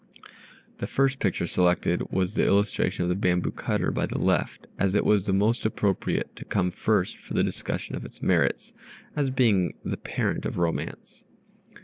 The first picture selected was the illustration of the "Bamboo Cutter," by the left, as it was the most appropriate to come first for the discussion of its merits, as being the parent of romance.